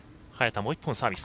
もう１本サービス。